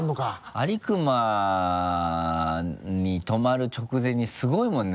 安里隈に止まる直前にすごいもんね。